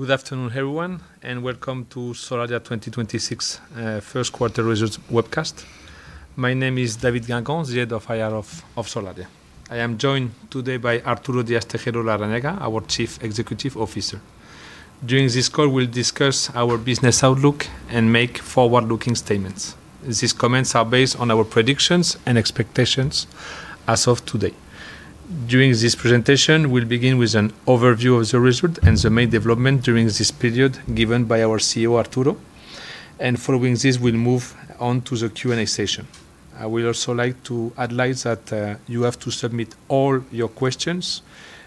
Good afternoon, everyone, and welcome to Solaria 2026 first quarter results webcast. My name is David Guengant, the Head of IR of Solaria. I am joined today by Arturo Díaz-Tejeiro Larrañaga, our Chief Executive Officer. During this call, we'll discuss our business outlook and make forward-looking statements. These comments are based on our predictions and expectations as of today. During this presentation, we'll begin with an overview of the result and the main development during this period given by our CEO, Arturo. Following this, we'll move on to the Q&A session. I will also like to highlight that you have to submit all your questions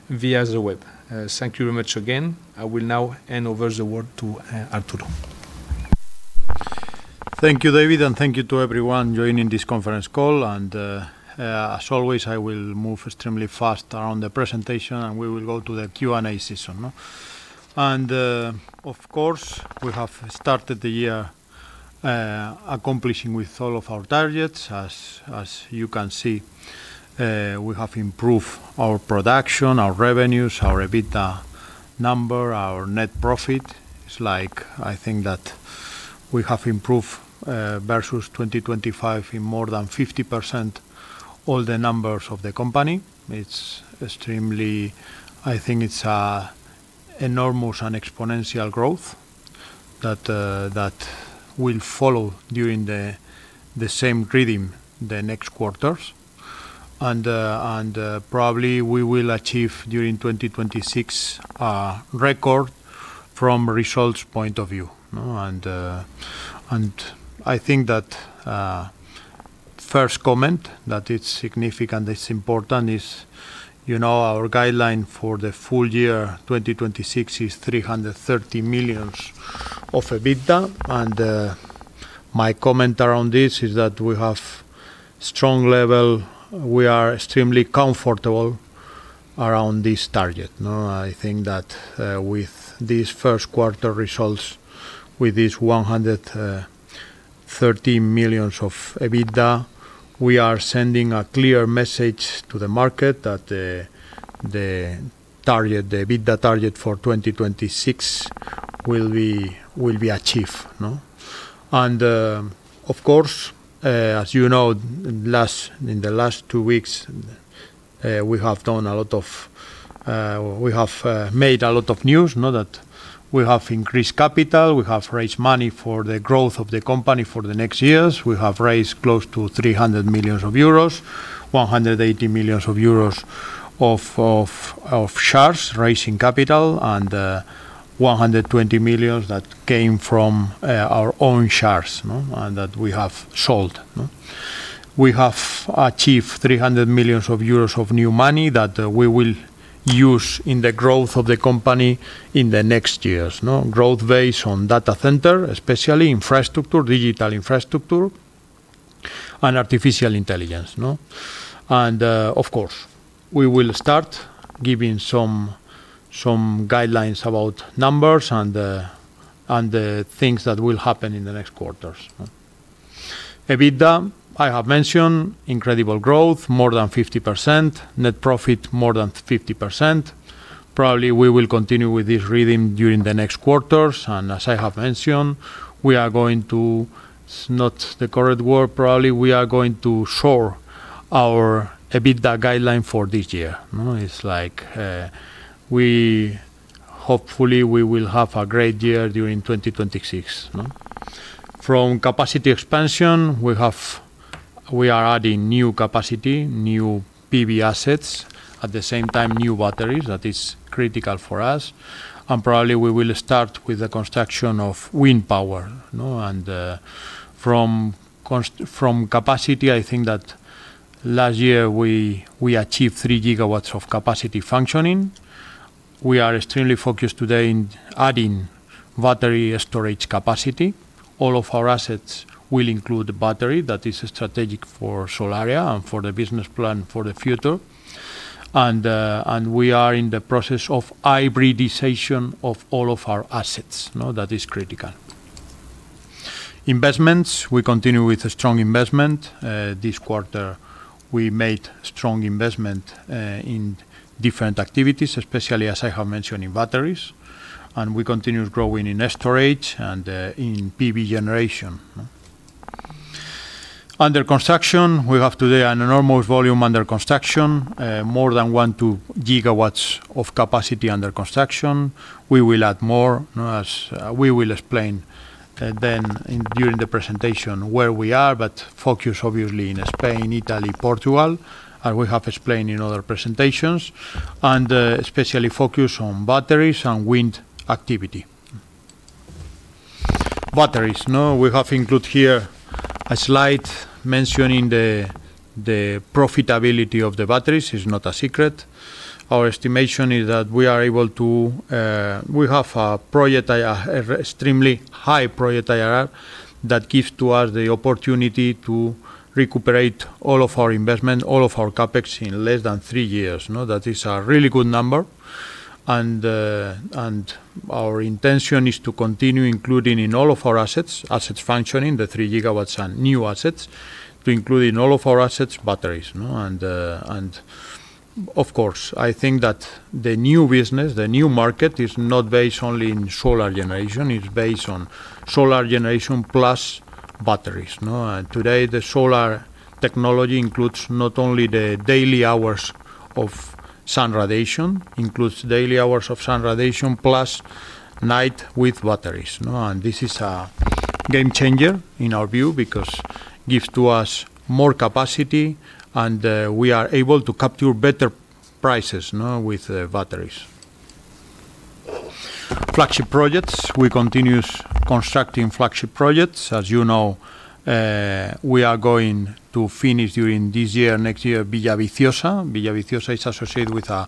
via the web. Thank you very much again. I will now hand over the word to Arturo. Thank you, David, thank you to everyone joining this conference call. As always, I will move extremely fast around the presentation, and we will go to the Q&A session, no? Of course, we have started the year, accomplishing with all of our targets. As you can see, we have improved our production, our revenues, our EBITDA number, our net profit. It's like, I think it's a enormous and exponential growth that will follow during the same rhythm the next quarters. Probably we will achieve during 2026 a record from results point of view. No? I think that first comment that it's significant, it's important is, you know, our guideline for the full year 2026 is 330 million of EBITDA. My comment around this is that we have strong level. We are extremely comfortable around this target. I think that with these first quarter results, with this 130 million of EBITDA, we are sending a clear message to the market that the target, the EBITDA target for 2026 will be achieved. Of course, as you know, in the last two weeks, we have made a lot of news. That we have increased capital. We have raised money for the growth of the company for the next years. We have raised close to 300 million euros, 180 million euros of shares, raising capital, and 120 million that came from our own shares. That we have sold. We have achieved 300 million euros of new money that we will use in the growth of the company in the next years. Growth based on data center, especially infrastructure, digital infrastructure and artificial intelligence. Of course, we will start giving some guidelines about numbers and the things that will happen in the next quarters. EBITDA, I have mentioned incredible growth, more than 50%. Net profit, more than 50%. Probably we will continue with this rhythm during the next quarters. As I have mentioned, we are going to shore our EBITDA guideline for this year. We hopefully we will have a great year during 2026. Capacity expansion, we are adding new capacity, new PV assets. At the same time, new batteries. That is critical for us. Probably we will start with the construction of wind power. From capacity, I think that last year we achieved 3 GW of capacity functioning. We are extremely focused today in adding battery storage capacity. All of our assets will include battery. That is strategic for Solaria and for the business plan for the future. We are in the process of hybridization of all of our assets. That is critical. Investments, we continue with a strong investment. This quarter we made strong investment in different activities, especially, as I have mentioned, in batteries. We continue growing in storage and in PV generation. Under construction, we have today an enormous volume under construction, more than 1 GW-2 GW of capacity under construction. We will add more. As we will explain then during the presentation where we are, but focus obviously in Spain, Italy, Portugal, and we have explained in other presentations, and especially focus on batteries and wind activity. Batteries. We have included here a slide mentioning the profitability of the batteries. It's not a secret. Our estimation is that we have an extremely high project IRR that gives to us the opportunity to recuperate all of our investment, all of our CapEx in less than three years, no? That is a really good number. Our intention is to continue including in all of our assets functioning, the 3 GW and new assets, to include in all of our assets batteries, no? Of course, I think that the new business, the new market, is not based only in solar generation. It's based on solar generation plus batteries, no? Today, the solar technology includes not only the daily hours of sun radiation, includes daily hours of sun radiation plus night with batteries, no? This is a game changer in our view because give to us more capacity, we are able to capture better prices, no, with the batteries. Flagship projects. We continue constructing flagship projects. As you know, we are going to finish during this year, next year, Villaviciosa. Villaviciosa is associated with a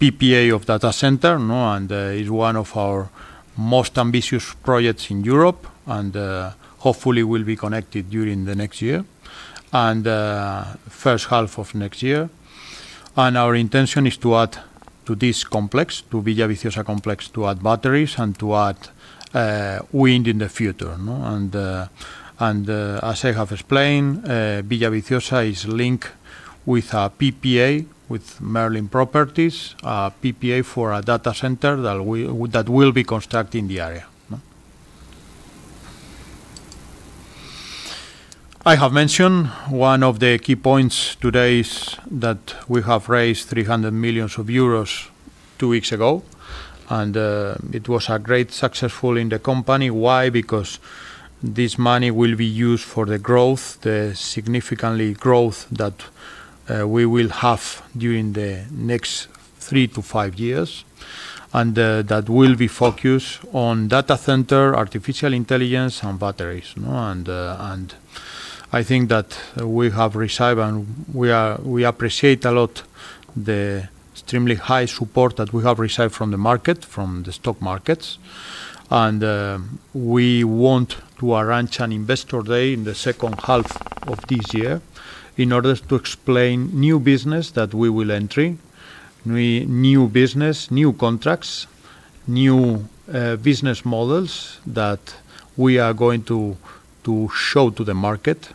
PPA of data center, no, and is one of our most ambitious projects in Europe and hopefully will be connected during the next year and first half of next year. Our intention is to add to this complex, to Villaviciosa complex, to add batteries and to add wind in the future, no. As I have explained, Villaviciosa is linked with a PPA with Merlin Properties, a PPA for a data center that will be constructing the area, no. I have mentioned one of the key points today is that we have raised 300 million two weeks ago, it was a great successful in the company. Why? This money will be used for the growth, the significantly growth that we will have during the next three to five years that will be focused on data center, artificial intelligence and batteries, no? I think that we have received and we appreciate a lot the extremely high support that we have received from the market, from the stock markets. We want to arrange an investor day in the second half of this year in order to explain new business that we will entering. New business, new contracts, new business models that we are going to show to the market.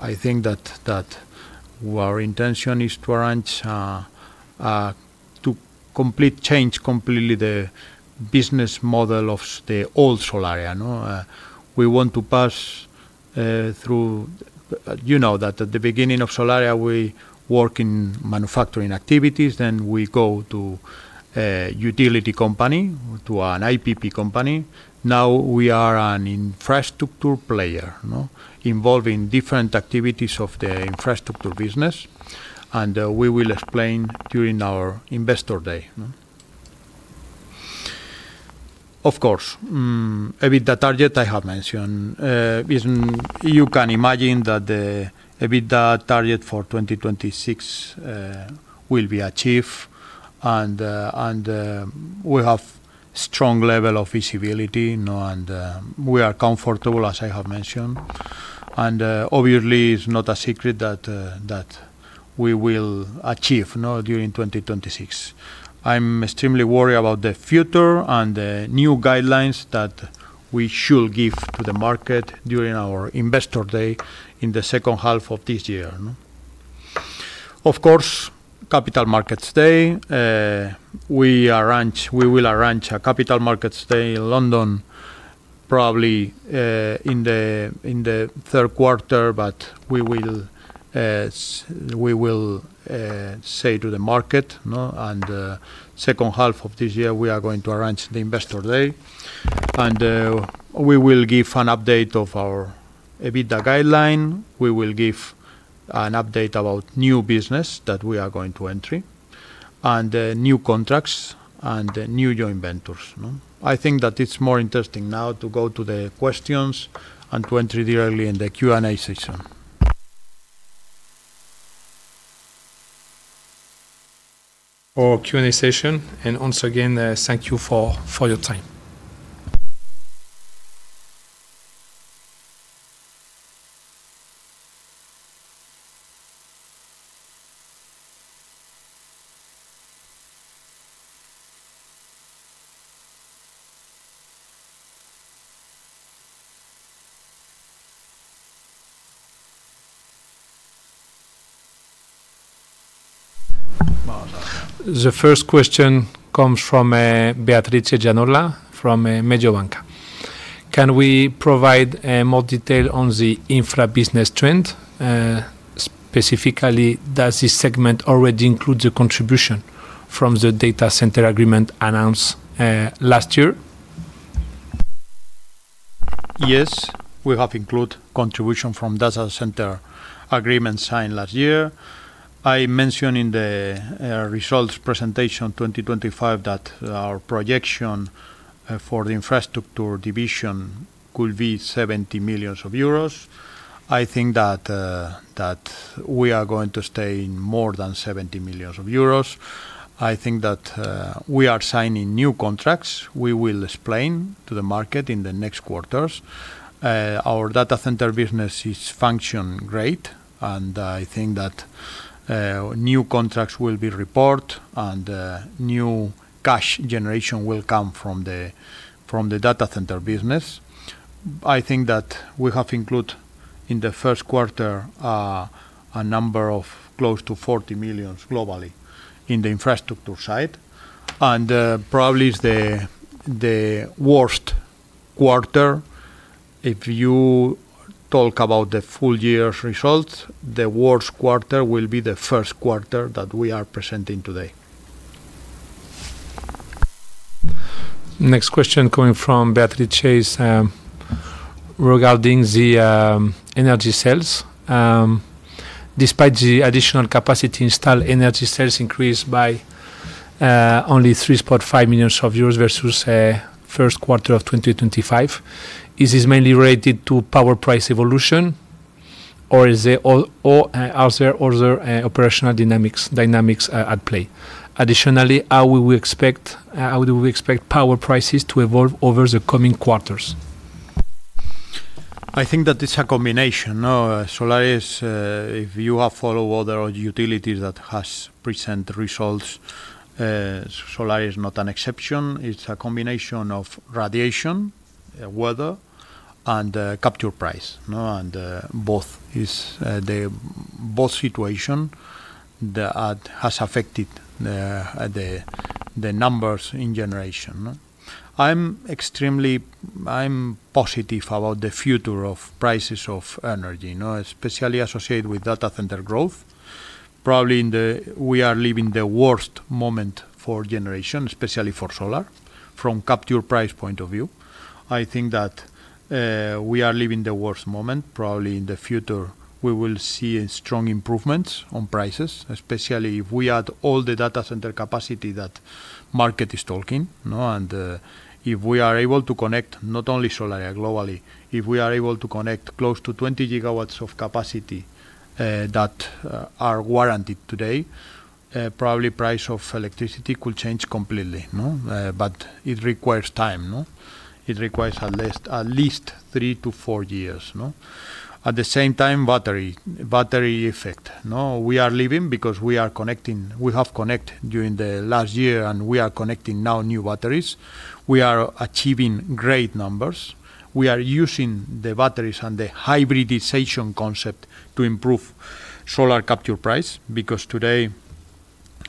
I think that our intention is to arrange to complete change completely the business model of the old Solaria, no? We want to pass through, you know that at the beginning of Solaria, we work in manufacturing activities, then we go to a utility company, to an IPP company. Now we are an infrastructure player, no, involving different activities of the infrastructure business and we will explain during our investor day, no? Of course, EBITDA target I have mentioned. Is, You can imagine that the EBITDA target for 2026 will be achieved and we have strong level of visibility, you know, and we are comfortable, as I have mentioned. Obviously it's not a secret that we will achieve, no, during 2026. I'm extremely worried about the future and the new guidelines that we should give to the market during our Capital Markets Day in the second half of this year, no? Of course, Capital Markets Day. We will arrange a Capital Markets Day in London probably in the third quarter. We will say to the market, no? In the second half of this year, we are going to arrange the investor day. We will give an update of our EBITDA guideline. We will give an update about new business that we are going to entry and new contracts and new joint ventures, no? I think that it's more interesting now to go to the questions and to entry directly in the Q&A session. For Q&A session. Once again, thank you for your time. The first question comes from Beatrice Gianola from Mediobanca. Can we provide more detail on the infra business trend? Specifically, does this segment already include the contribution from the data center agreement announced last year? Yes, we have included contribution from data center agreement signed last year. I mentioned in the results presentation 2025 that our projection for the infrastructure division could be 70 million euros. I think that we are going to stay in more than 70 million euros. I think that we are signing new contracts we will explain to the market in the next quarters. Our data center business is functioning great, and I think that new contracts will be reported and new cash generation will come from the data center business. I think that we have included in the first quarter a number of close to 40 million globally in the infrastructure side. Probably is the worst quarter. If you talk about the full year's results, the worst quarter will be the first quarter that we are presenting today. Next question coming from Beverly Chase regarding the energy sales. Despite the additional capacity installed, energy sales increased by only 3.5 million euros versus first quarter of 2025. Is this mainly related to power price evolution or is it all or are there other operational dynamics at play? Additionally, how do we expect power prices to evolve over the coming quarters? I think that it's a combination. No, solar is, if you have follow other utilities that has present results, solar is not an exception. It's a combination of radiation, weather, and capture price, no? Both is the both situation that has affected the numbers in generation. I'm extremely positive about the future of prices of energy, you know, especially associated with data center growth. Probably, we are living the worst moment for generation, especially for solar, from capture price point of view. I think that we are living the worst moment. Probably in the future, we will see a strong improvement on prices, especially if we add all the data center capacity that market is talking, no? If we are able to connect not only Solaria globally, if we are able to connect close to 20 gigawatts of capacity that are warranted today, probably price of electricity could change completely. It requires time. It requires at least three-four years. At the same time, battery effect. We are living because we are connecting. We have connect during the last year, and we are connecting now new batteries. We are achieving great numbers. We are using the batteries and the hybridization concept to improve solar capture price because today,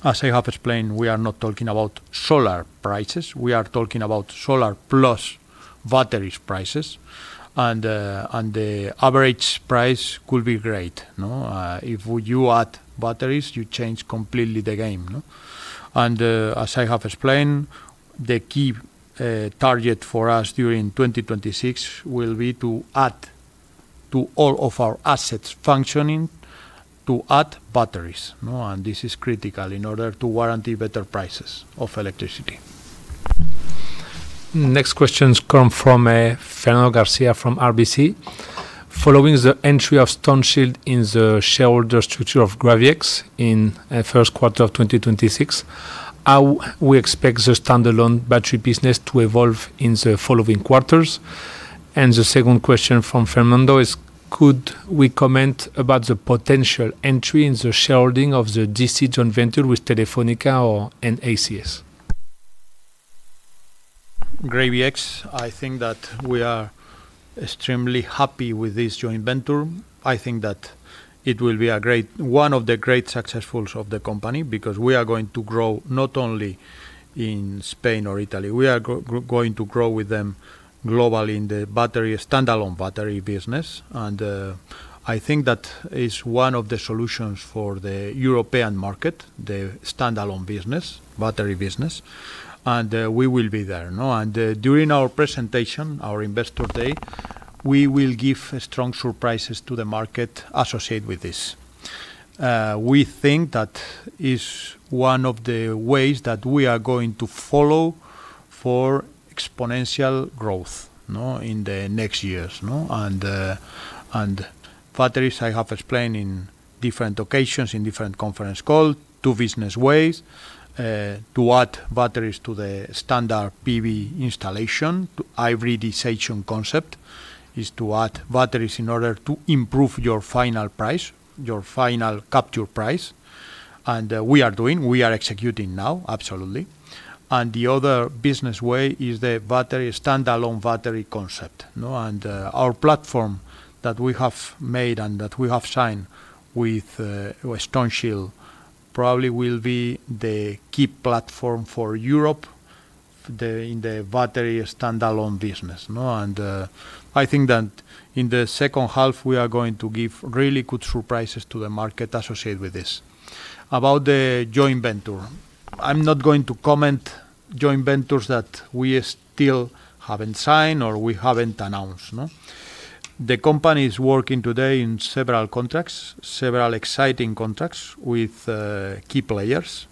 as I have explained, we are not talking about solar prices. We are talking about solar plus batteries prices. And the average price could be great. If you add batteries, you change completely the game. As I have explained, the key target for us during 2026 will be to add to all of our assets functioning, to add batteries. This is critical in order to warrant better prices of electricity. Next questions come from Fernando Garcia from RBC. Following the entry of Stoneshield in the shareholder structure of GravyX in first quarter of 2026, how we expect the standalone battery business to evolve in the following quarters? The second question from Fernando is, could we comment about the potential entry in the shareholding of the DC joint venture with Telefónica or in ACS? GravyX, I think that we are extremely happy with this joint venture. I think that it will be a great one of the great successfuls of the company because we are going to grow not only in Spain or Italy. We are going to grow with them globally in the battery, standalone battery business. I think that is one of the solutions for the European market, the standalone business, battery business. We will be there, no? During our presentation, our investor day, we will give strong surprises to the market associated with this. We think that is one of the ways that we are going to follow for exponential growth, no? In the next years, no? Batteries, I have explained in different occasions, in different conference call, two business ways to add batteries to the standard PV installation. Hybridization concept is to add batteries in order to improve your final price, your final capture price. We are executing now, absolutely. The other business way is the battery, standalone battery concept, no? Our platform that we have made and that we have signed with Stoneshield probably will be the key platform for Europe in the battery standalone business, no? I think that in the second half, we are going to give really good surprises to the market associated with this. About the joint venture, I am not going to comment joint ventures that we still haven't signed or we haven't announced, no? The company is working today in several exciting contracts with key players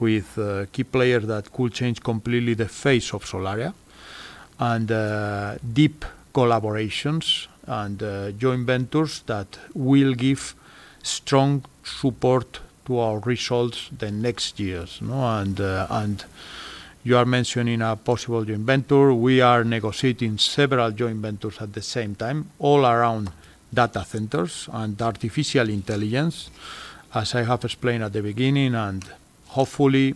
that could change completely the face of Solaria. Deep collaborations and joint ventures that will give strong support to our results the next years, no? You are mentioning a possible joint venture. We are negotiating several joint ventures at the same time, all around data centers and artificial intelligence, as I have explained at the beginning. Hopefully,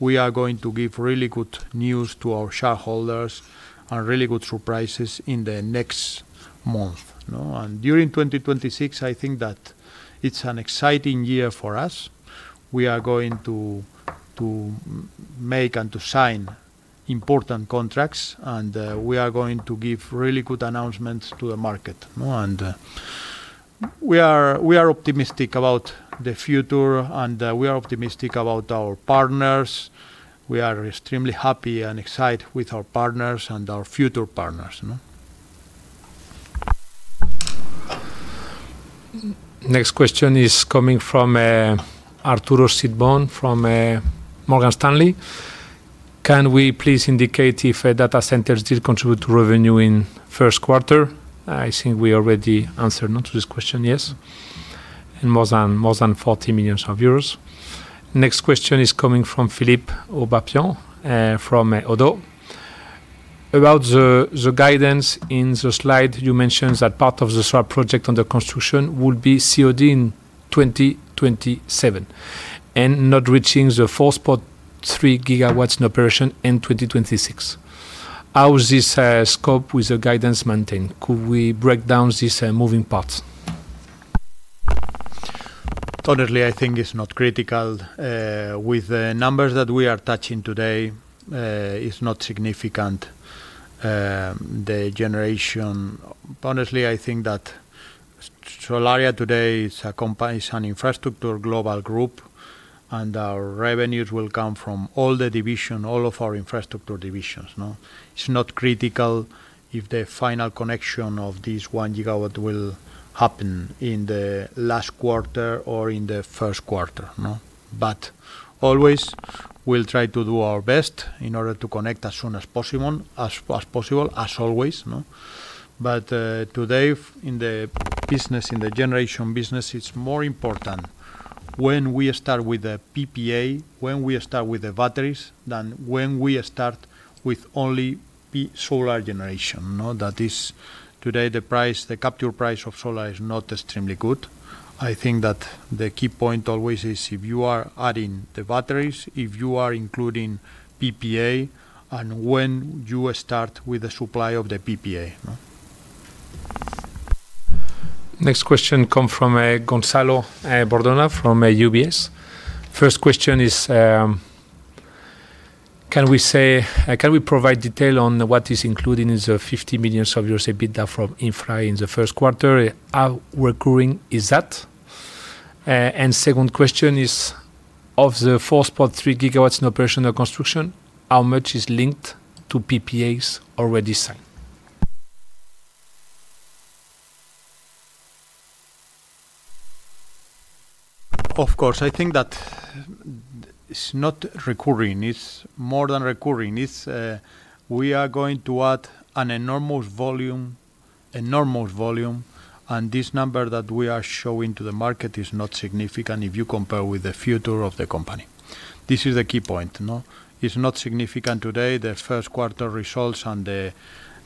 we are going to give really good news to our shareholders and really good surprises in the next month, no? During 2026, I think that it's an exciting year for us. We are going to make and to sign important contracts, we are going to give really good announcements to the market, no? We are optimistic about the future, and we are optimistic about our partners. We are extremely happy and excited with our partners and our future partners, no? Next question is coming from Arthur Sitbon from Morgan Stanley. Can we please indicate if data centers did contribute to revenue in first quarter? I think we already answered no to this question. Yes. In more than 40 million euros. Next question is coming from Philippe Ourpatian from Oddo. About the guidance in the slide, you mentioned that part of the solar project under construction would be COD in 2027 not reaching the 4.3 GW in operation in 2026. How is this scope with the guidance maintained? Could we break down these moving parts? Totally, I think it's not critical. With the numbers that we are touching today, it's not significant, the generation. Honestly, I think that Solaria today is an infrastructure global group, and our revenues will come from all the division, all of our infrastructure divisions, no? It's not critical if the final connection of this 1 GW will happen in the last quarter or in the first quarter, no? Always we'll try to do our best in order to connect as soon as possible, as always, no? Today in the business, in the generation business, it's more important when we start with the PPA, when we start with the batteries than when we start with only solar generation, no? That is today the price, the capital price of solar is not extremely good. I think that the key point always is if you are adding the batteries, if you are including PPA, when you start with the supply of the PPA, no? Next question come from Gonzalo Bordona from UBS. First question is, can we provide detail on what is included in the 50 million EBITDA from infra in the first quarter? How recurring is that? Second question is, of the 4.3 GW in operation or construction, how much is linked to PPAs already signed? Of course, I think that it's not recurring. It's more than recurring. It's. We are going to add an enormous volume. This number that we are showing to the market is not significant if you compare with the future of the company. This is the key point. It's not significant today, the first quarter results and the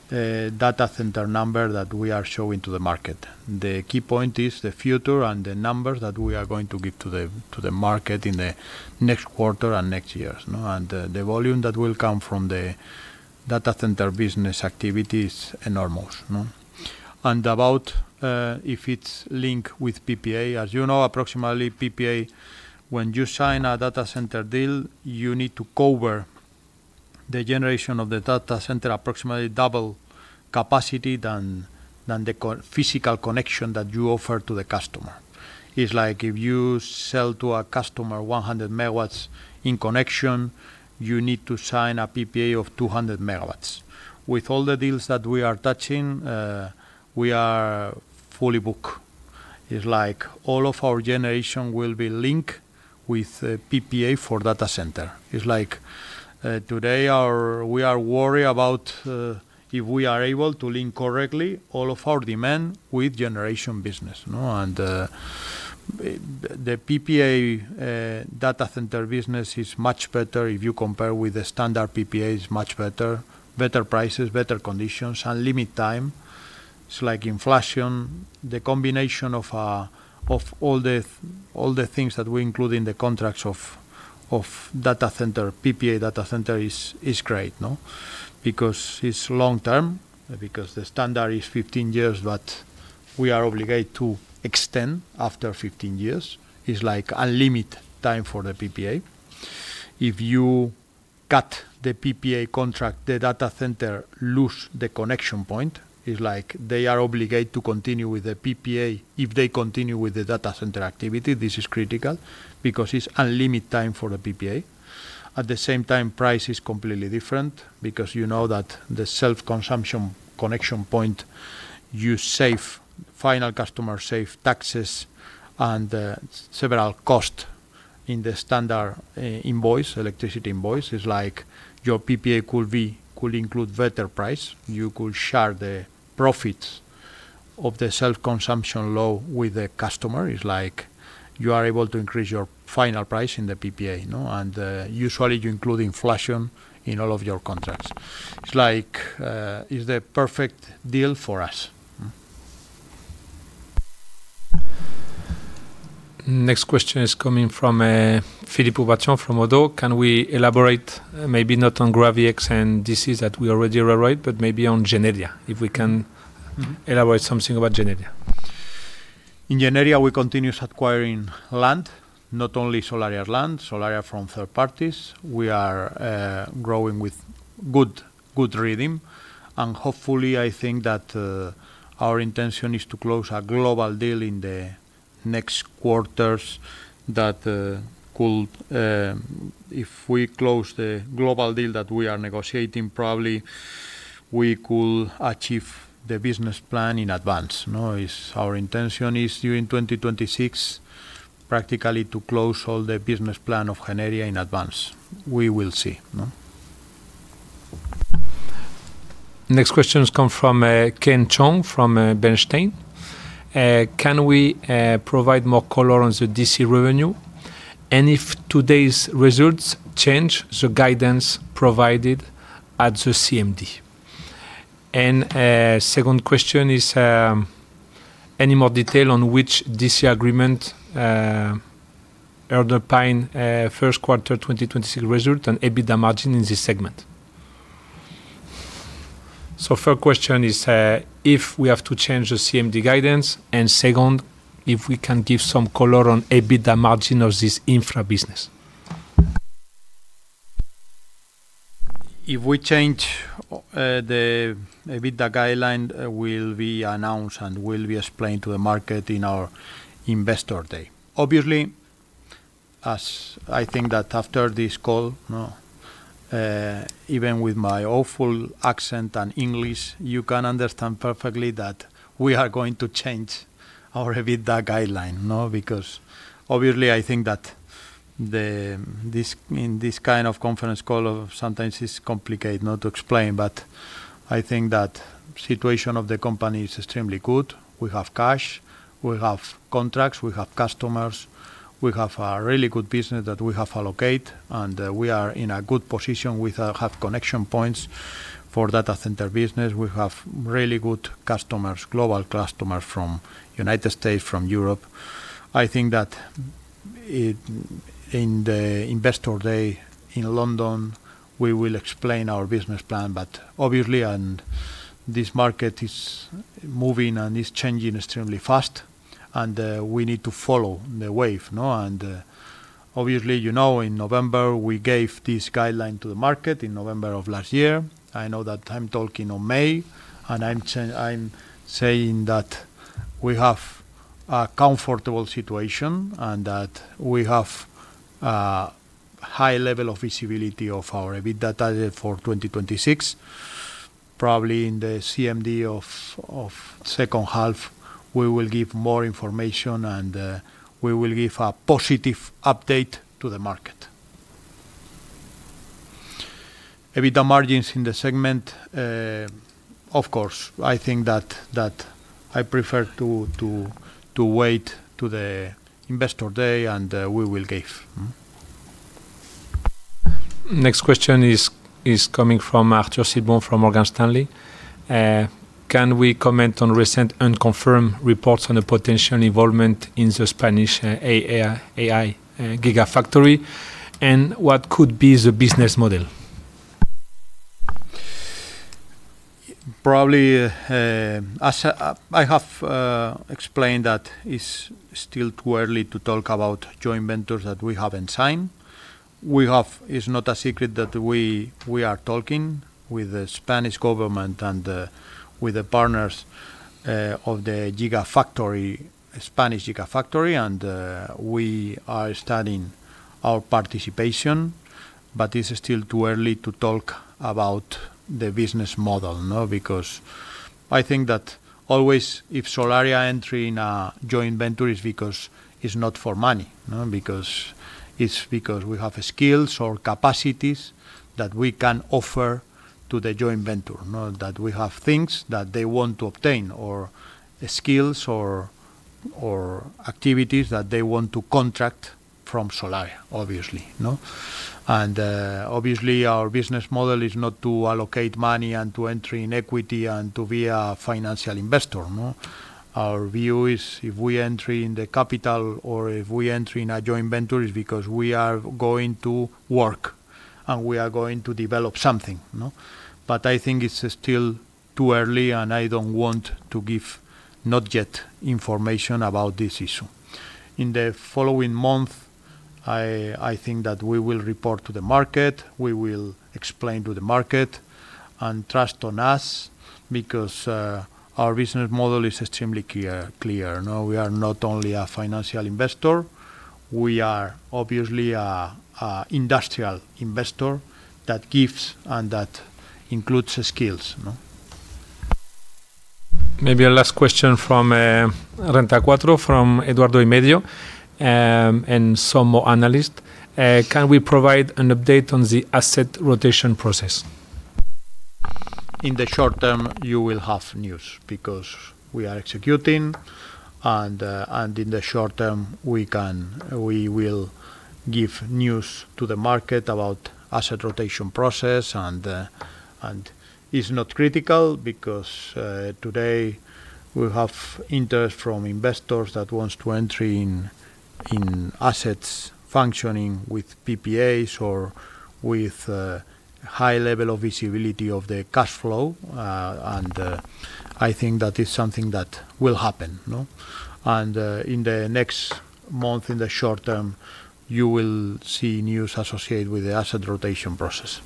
data center number that we are showing to the market. The key point is the future and the numbers that we are going to give to the market in the next quarter and next years. The volume that will come from the data center business activity is enormous. About, if it's linked with PPA, as you know, approximately PPA, when you sign a data center deal, you need to cover the generation of the data center approximately double capacity than the physical connection that you offer to the customer. It's like if you sell to a customer 100 MW in connection, you need to sign a PPA of 200 MW. With all the deals that we are touching, we are fully booked. It's like all of our generation will be linked with a PPA for data center. It's like, today we are worried about if we are able to link correctly all of our demand with generation business, no? The PPA data center business is much better if you compare with the standard PPAs, much better. Better prices, better conditions, and limit time. It's like inflation, the combination of all the things that we include in the contracts of data center, PPA data center is great, no? Because it's long term, because the standard is 15 years, but we are obligated to extend after 15 years. It's like a limit time for the PPA. If you cut the PPA contract, the data center lose the connection point. It's like they are obligated to continue with the PPA if they continue with the data center activity. This is critical because it's a limit time for the PPA. At the same time, price is completely different because you know that the self-consumption connection point, you save, final customer save taxes and several cost in the standard, invoice, electricity invoice. It's like your PPA could include better price. You could share the profits of the self-consumption low with the customer. It's like you are able to increase your final price in the PPA, no? Usually, you include inflation in all of your contracts. It's like, it's the perfect deal for us. Next question is coming from Philippe Aubépian from Oddo. Can we elaborate, maybe not on GravyX and this is that we already arrived, but maybe on Generia, if we can elaborate something about Generia. In Generia, we continue acquiring land, not only Solaria land, Solaria from third parties. We are growing with good rhythm. Hopefully, I think that our intention is to close a global deal in the next quarters. If we close the global deal that we are negotiating, probably we could achieve the business plan in advance. No? Our intention is during 2026 practically to close all the business plan of Generia in advance. We will see, no? Next questions come from Keshav Chugh from Bernstein. Can we provide more color on the DC revenue? If today's results change the guidance provided at the CMD. A second question is any more detail on which DC agreement underpin first quarter 2026 result and EBITDA margin in this segment? First question is if we have to change the CMD guidance, and second, if we can give some color on EBITDA margin of this infra business. If we change, the EBITDA guideline will be announced and will be explained to the market in our investor day. Obviously, as I think that after this call, even with my awful accent and English, you can understand perfectly that we are going to change our EBITDA guideline. Because obviously I think that this, in this kind of conference call of sometimes it's complicated to explain, but I think that situation of the company is extremely good. We have cash, we have contracts, we have customers. We have a really good business that we have allocate, and we are in a good position. We have connection points for data center business. We have really good customers, global customers from United States, from Europe. I think that in the investor day in London, we will explain our business plan. This market is moving and is changing extremely fast, we need to follow the wave, no? Obviously, you know, in November, we gave this guideline to the market, in November of last year. I know that I'm talking on May, I'm saying that we have a comfortable situation and that we have high level of visibility of our EBITDA target for 2026. Probably in the CMD of second half, we will give more information, and we will give a positive update to the market. EBITDA margins in the segment, of course, I think that I prefer to wait to the investor day. Next question is coming from Arthur Sitbon from Morgan Stanley. Can we comment on recent unconfirmed reports on the potential involvement in the Spanish AI gigafactory, and what could be the business model? Probably, as I have explained that it's still too early to talk about joint ventures that we haven't signed. We have It's not a secret that we are talking with the Spanish government and with the partners of the gigafactory, Spanish gigafactory, and we are studying our participation. It's still too early to talk about the business model, no? Because I think that always if Solaria enter in a joint venture, it's because it's not for money, no? Because it's because we have skills or capacities that we can offer to the joint venture, no, that we have things that they want to obtain or skills or activities that they want to contract from Solaria, obviously, no? Obviously, our business model is not to allocate money and to enter in equity and to be a financial investor, no? Our view is if we enter in the capital or if we enter in a joint venture, it's because we are going to work and we are going to develop something. I think it's still too early, and I don't want to give not yet information about this issue. In the following month, I think that we will report to the market, we will explain to the market and trust on us because our business model is extremely clear. We are not only a financial investor, we are obviously a industrial investor that gives and that includes skills. Maybe a last question from Renta 4 from Eduardo Imedio, and some more analysts. Can we provide an update on the asset rotation process? In the short term, you will have news because we are executing. In the short term we will give news to the market about asset rotation process. It's not critical because today we have interest from investors that wants to enter in assets functioning with PPAs or with high level of visibility of the cash flow. I think that is something that will happen, no? In the next month, in the short term, you will see news associated with the asset rotation process.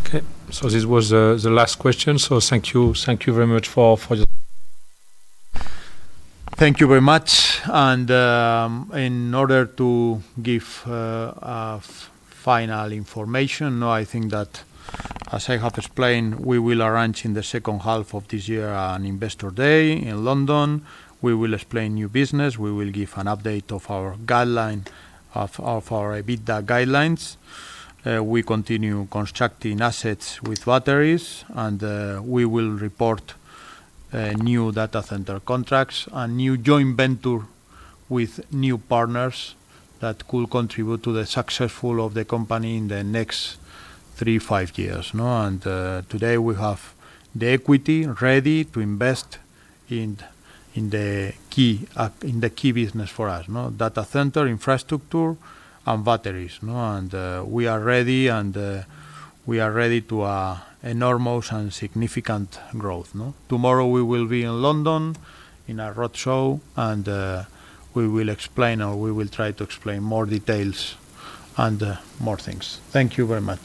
Okay. This was the last question. Thank you. Thank you very much for. Thank you very much. In order to give a final information, I think that as I have explained, we will arrange in the second half of this year an investor day in London. We will explain new business; we will give an update of our EBITDA guidelines. We continue constructing assets with batteries, we will report new data center contracts and new joint venture with new partners that could contribute to the success of the company in the next three, five years. Today we have the equity ready to invest in the key business for us. Data center infrastructure and batteries. We are ready to enormous and significant growth. Tomorrow we will be in London in a road show and, we will explain or we will try to explain more details and, more things. Thank you very much.